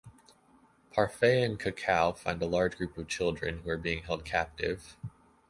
Parfait and Cacao find a large group of children who are being held captive.